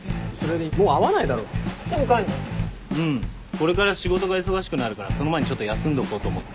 これから仕事が忙しくなるからその前にちょっと休んどこうと思って。